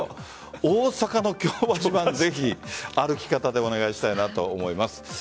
大阪の京橋版ぜひ、「歩き方」でお願いしたいと思います。